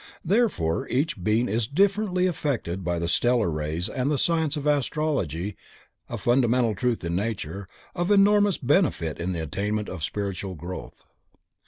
Therefore each being is differently affected by the stellar rays and the science of Astrology a fundamental truth in nature, of enormous benefit in the attainment of spiritual growth.